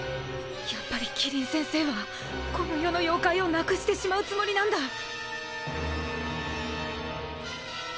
やっぱり希林先生はこの世の妖怪を無くしてしまうつもりなんだ。